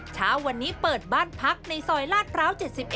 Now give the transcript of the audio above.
เช้าวันนี้เปิดบ้านพักในซอยลาดพร้าว๗๑